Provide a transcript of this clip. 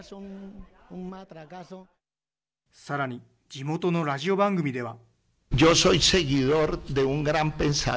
さらに、地元のラジオ番組では。